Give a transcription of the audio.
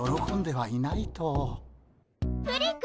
はい。